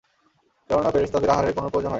কেননা, ফেরেশতাদের আহারের কোন প্রয়োজন হয় না।